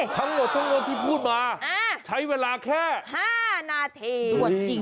ทั้งหมดทั้งมวลที่พูดมาใช้เวลาแค่๕นาที